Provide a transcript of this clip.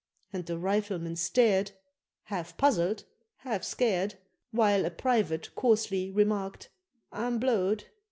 And the Riflemen stared, Half puzzled, half scared, While a private coarsely remarked, "I'm blowed."